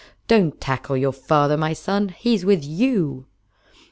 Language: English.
Don't tackle your father, my son! He's with you!"